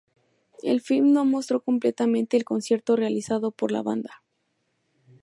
El film no mostró completamente el concierto realizado por la banda.